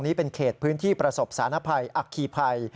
นี้เป็นเขตพื้นที่ประสบสารภัยอัคคีภัย